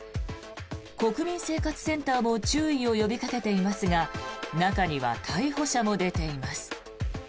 国民生活センターも注意を呼びかけていますが中には逮捕者も出ています。